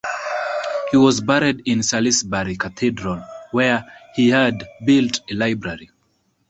He was buried in Salisbury Cathedral, where he had built a library.